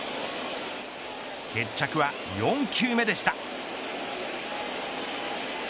決着は４球目でした。